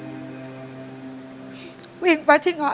แล้วตอนนี้พี่พากลับไปในสามีออกจากโรงพยาบาลแล้วแล้วตอนนี้จะมาถ่ายรายการ